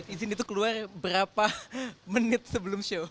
izin itu keluar berapa menit sebelumnya